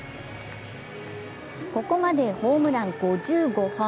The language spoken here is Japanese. ここまでホームラン５５本。